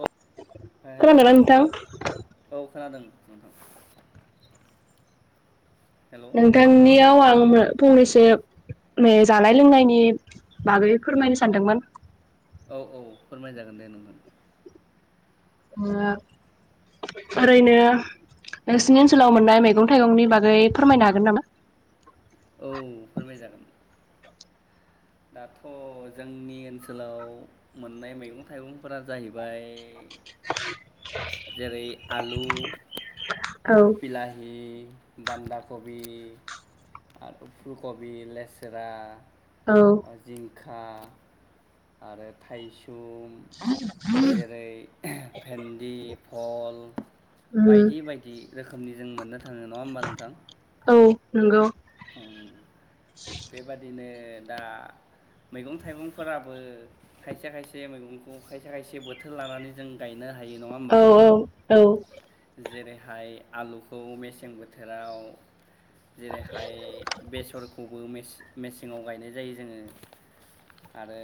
अ hello नोंथां औ खोनादों नोंथां। हेलौ नोंथांनियाव आं फंनैसो जानाय लोंनायनि बागै फोरमायनो सानदोंमोन। औ औ फोरमाय जागोन दे नोंथां। ओ ओरैनो नोंसिनि औ ओनसाव मोननाय मैगं थाइगंनि बाग गै फोरमायनो हागोन नामा? औ फोरमाय जागोन। दाथ जोंनि ओनसोलाव मोननाय मैगं थाइगंफोरा जाहैबाय जेरै आलु औ बिलााहि बान्दाकबि आरो फुलकबि, लेस्रा, औ खा आरो थाइस सुम जेरै भेेनदि हल उम बायदि बायदि। रोखोमनि जों मोननो थांङो नङा होमबा नोंथां? नोंगौ थिग बेबादिनो दा मैगं थाइगंफोराबो खायसे खायसे मैगंखौ खायसे खायसे बोथोर लानानै जों गाय नो हायो नङा होनबा औ औ औ जेरै हाय आलुखौ मेसें बोथोराव जेरै हाय बेसरखौबो मेसेङाव गायनाय जायो जोङो आरो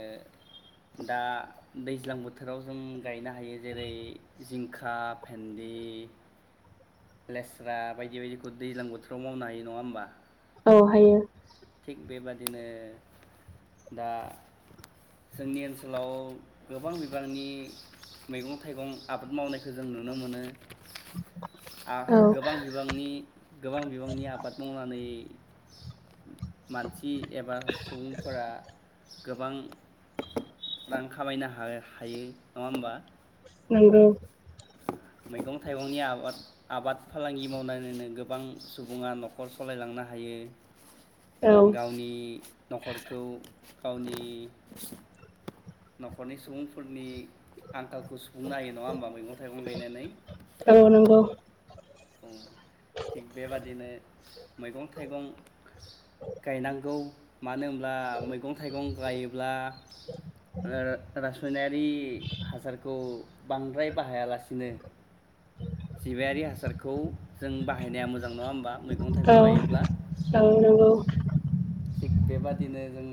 दा दैज्लां बोथोराव जों गायनो हायो। जेरै जिंखा भेन्दि लेस्रा बायदि बायदिखौ दैज्लां बोथोराव मावनो हायो नङा होमबा? औ हायो। थिग बेबादिनो दा जोंनि ओनसोलाव गोबां बिबांनि मैगं थाइगं आबाद मावनायखौ जों नुनो मोनो। आ औ गोबां बिबांनि गोबां बिबांनि आबाद मावनानै [inaudible] मानसि एबा सुबुंफोरा गोबां रां खामायनो हा-हायो नङा होमबा? नोंगौ। मैगं थायगंनि आबाद-आबाद फालांगि मावनानैनो गोबां सुबुङा न'खर सलायलांनो हायो। औ गावनि न'खरखौ गावनि न'खरनि सुबुंफोरनि आंखालखौ सुफुंनो हायो नङा होमबा मैगं थायगं गायनानै। औ नंगौ औ थिग बेबादिनो मैगं थायगं गायनांगौ मानो होनब्ला मैगं थायगं गायोब्ला रा रासायनारि हासारखौ बांद्राय बाहायालासिनो जिबायारि हासारखौ जों बाहायनाया मोजां नङा होमबा मैगं औ थायगं गायोब्ला। औ नंगौ थिग बेबादिनो जों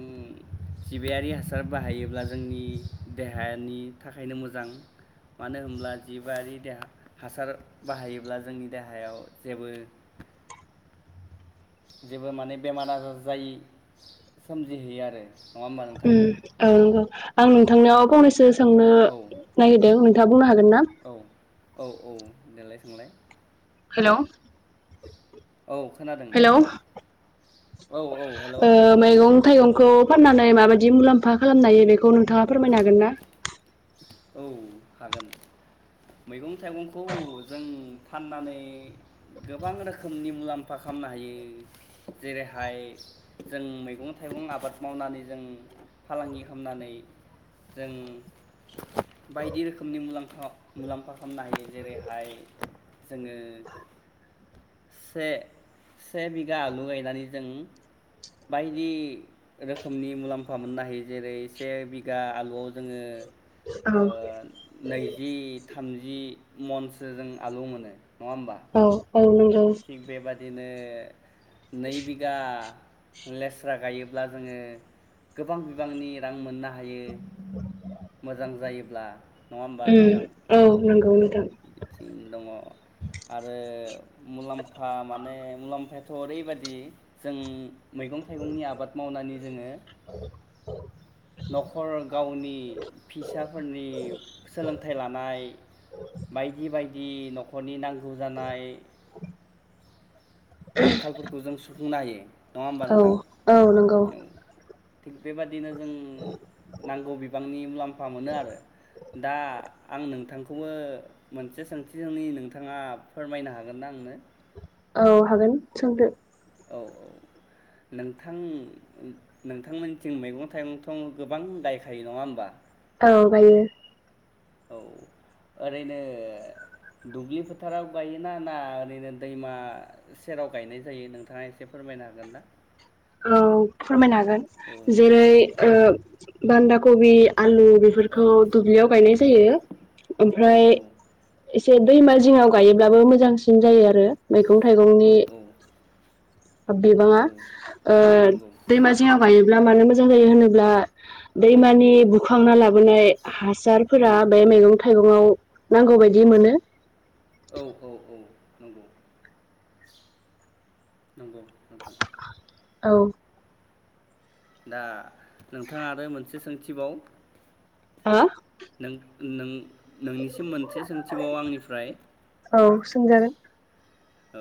जिबयारि हासार बाहायोब्ला जोंनि देहानि थाखायनो मोजां मानो होनब्ला जिबयारि हासार बाहायोब्ला जोंनि देहायाव जेबो जेबो माने बेमार आजार जायि सोमजिहैयो आरो नङा होमबा अम नोंथां औ नंगौ आं नोंथांनियाव फंनैसो सोंनो औ नागिरदों नोंथाङा बुंनो हागोन ना औ औ औ देलाय सोंलाय हेलौ औ खोनादों हेलौ नोंथां औ औ हेलौ खौ फाननानै माबायदि मुलाम्फा खालामनो हायो बेखौ नोंथाङा फोरमायनो हागोन ना औ हागोन मैगं थायगंखौ जों फाननानै गोबां रोखोमनि मुलाम्फा खामनो हायो जेरैहाय जों मैगं थायगं आबाद मावनानै जों फालांगि खामनानै जों बायदि रोखोमनि मुलामफा-मुलाम्फा खामनो हायो जेरैहाय जोंङो से-से बिगा आलु गायनानै जों बायदि रोखोमनि मुलाम्फा मोननो हायो जेरै से बिगा आलुआव जोंङो औ नैजि थामजि मनसो जों आलु मोनो नङा ओमबा औ औ नंगौ थिग बेबादिनो ओ नै बिगा लेस्रा गायोब्ला जोंङो गोबां बिबांनि रां मोननो हायो। मोजां जायोब्ला नङा होमबा अम नोंथां औ नंगौ नों [unintelligible] बिथिं दङ आरो मुलाम्फा माने मुलाम्फायाथ ओरैबायदि जों मैगं थायगंनि आबाद मावनानै जोंङो न'खर गावनि फिसाफोरनि सोलोंथाइ लानाय बायदि बायदि न'खरनि नांगौ जानाय आंखालफोरखौ जों सुफुंनो हायो नङा होमबा औ नोंथां औ नंगौ औ थिग बेबादिनो जों नांगौ बिबांनि मुलाम्फा मोनो आरो दा आं नोंथांखौबो मोनसे सोंथि सोंनि नोंथाङा फोरमायनो हागोन ना आंनो औ हागोन सोंदो औ औ नोंथां नोंथांमोनथिं मैगं थायगंथ गोबां गायखायो नङा होमबा। औ गायो औ ओरैनो दुब्लि फोथाराव गायोना ना ओरैनो दैमा सेराव गायनाय जायो नोंथाङा एसे फोरमायनो हागोन ना औ फोरमायनो हा गोन औ जेरै औ ओ बान्दा कबि आलु औ बेफोरखौ दुब्लियाव गायनाय जायो औ ओमफ्राय एसे दैमा जिंआव गायो। बाबो मोजांसिन जायो आरो। आरो मैगं औ थाइगंनि बिबाङा औ ओ नंगौ दैमाज जिङाव गायोब्ला मानो मोजां जायो होनोब्ला औ दैमानि बुखांना लाबोनाय औ हासारफोरा बे मैगं थाइगंआव नांगौ बायदि मोनो। औ औ औ नंगौ नंगौ नोंथां। औ दा नोंथाङा आरो मोनसे सोंथिबाव। [unintelligible] नों-नोंनिसिम मोनसे मोनसे सोंथिबाव आंनिफ्राय। औ सोंजागोन औ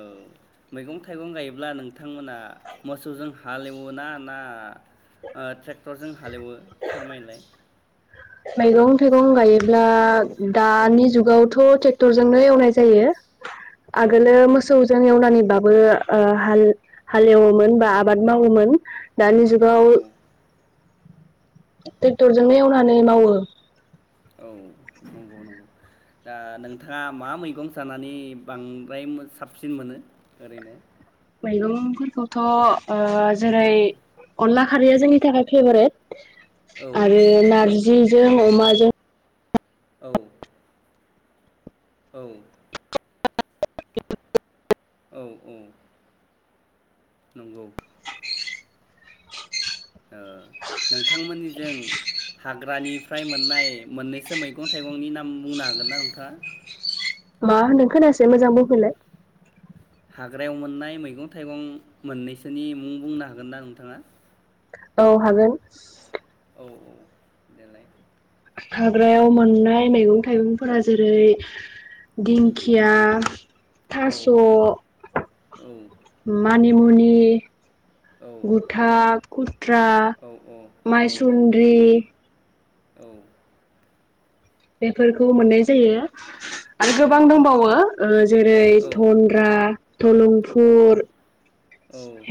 मैगं थाइगं गायोब्ला नोंथांमोना मोसौजों हालेवोना ना ट्रेक्टरजों हालेवो? फोरमायलाय मैगं थाइगं गायोब्ला औ दानि जुगावथ ट्रे क्टर जोंनो एवनाय जायो। औ आगोलो मोसौजों एवलानानैबाबो बो ओ हा-हालेवोमोन बा आबाद मावोमोन। दानि औ जुगाव ट्रेक्टरजोंनो एवनानै मावो। औ नंगौ नंगौ दा नोंथाङा मा मैगं जानानै बांद्राय मो साबसिन मोनो ओरैनो? मैगं फोरखौथ जेरै औ अनला खारैया जोंनि थाखाय फेभरेट। औ आरो नारजि जिजों अमाजों औ औ औ औ नंगौ नोंथांमोननिजों हाग्रानिफ्राय मोननाय मोननैसो मैगं थाइगंनि नाम बुंनो हागोन ना नोंथाङा। मा होनदों खोनायासै? मोजां बुंफिनलाय हाग्रायाव मोननाय मैगं थाइगं मोननैसोनि मुं बुंनो हागोन ना नोंथाङा? औ हागोन औ देलाय हाग्रायाव मोननाय मैगं थाइगंफोरा जेरै उम दिंखिया औ थास औ मानि मनि औ गुथा [unintelligible] त्रा औ औ औ उम माइसुन्द्रि। औ बेफोरखौ मोननाय जायो [inaudible] आरो औ गोबां दंबावो ओ जेरै औ औ धनन्द्रा धलुंफुल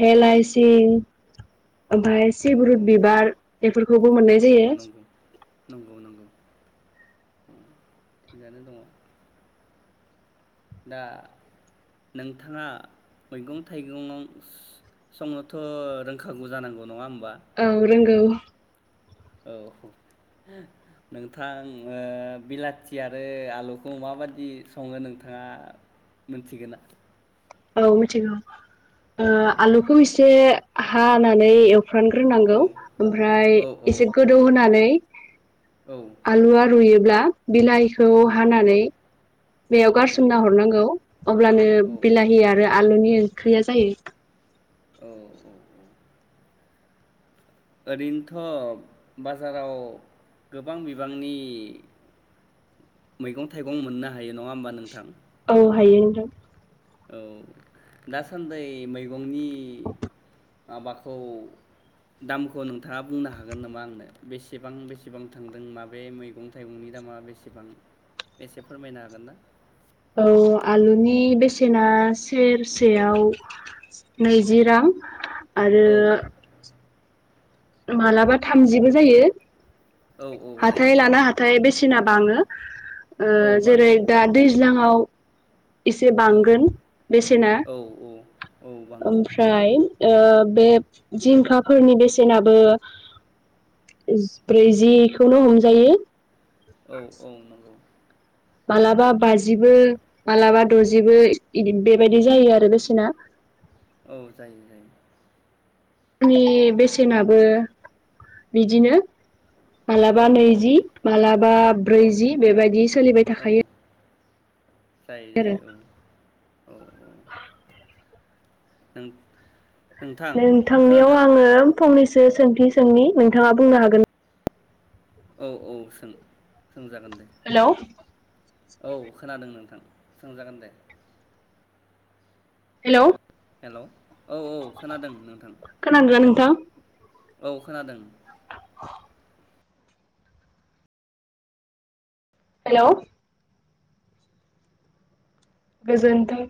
हेलाइसि। ओमफाय सिब्रुथ बिबार बेफोरखौबो मोननाय जायो नंगौ नंगौ नंगौ [inaudible] थिगानो दङ। दा नोंथाङा मैगं-थाइगं स- संनोथ रोंखागौ जानांगौ नङा होमब औ रोंगौ। [inaudible] औ [inaudible] नोंथां ओ बिलाथि आरो आलुखौ माबादि सङो नोंथाङा मिथिगो ना? औ मिथिगौ। ओ औ आलुखौ इसे हानानै एव औ फ्रानग्रोनांगौ ओमफ्राय औ एसे गोदौ होनानै औ आलु आलुयोब्ला बिलाइखौ औ औ हानानै बेयाव गारसोमना नंगौ हरनांगौ अब्लानो औ औ बिलाहि आरो आलुनि ओंख्रिया जायो। औ औ औ। ओरैनोथ' बाजाराव गोबां बिबांनि मैगं-थाइगं मोननो हायो नङा होमबा नोंथां? औ हायो नोंथां। औ दासान्दै मैगं गंनि माबाखौ दामखौ नोंथाङा बुंनो हागोन नोमा आंनो बेसेबां बेसेबां थांदों माबे मैगं-थाइगंनि दामा बेसेबां एसे फोरमायनो हागोन ना? औ आलुनि बेसेना स औ सेरसेयाव नैज जि रां। आरो औ मालाबा थामजिबो जायो। औ औ जायो हाथाय जायो लाना हाथाइ बेसेना बाङो ओ औ बाङो जेरै दा दैज्लाङाव इसे औ बांगोन बेसेना औ औ औ बाङो ओमफ्राय ओ बे जिंखाफोरनि बेसे सेेनाबो [inaudible] जि ब्रैजिखौनो हमजायो औ औ नंगौ। मालाबा बाजिबो ओमफ्राय मालाबा दजिबो इदि बेबायदि जायो आरो बेसेना औ जायो जायो। आंनि बेसेनाबो बिदिनो औ मालाबा औ नैजि मालाबा औ ब्रैजि बेबायदि सोलिबाय औ थाखायो आ जायो जायो औ औ औ नों नोंथां नोंथांनियाव खोनादों आङो फंनैस से सोंथि सोंनि नोंथाङा बुंनो हागोन औ औ सों सोंजागोन दे हेलौ औ खोनादों नोंथां सोंजागोन दे हेलौ हेलौ औ औ खोनादों नोंथां थां औ खोनादों हेलौ गोजोनथों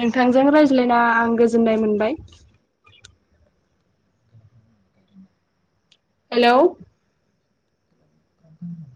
नोंथांजों रायज्लायना आं गोजोननाय मोनबाय हेलौ [inaudible]